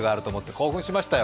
興奮しましたよ。